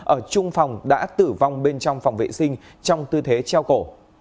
ở trung phòng đã tử vong bên trong phòng vệ sinh trong tư thế treo cổ